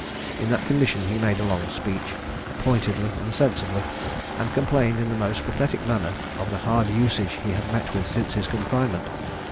In that condition he made a long speech, pointedly and sensibly; and complained in the most pathetic manner of the hard usage he had met with since his confinement.